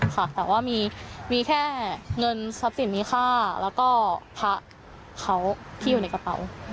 ค่ะแต่ว่ามีแค่เงินทรัพย์สินมีค่าแล้วก็พระเขาที่อยู่ในกระเป๋า